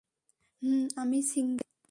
হুম, আমি সিঙ্গেল।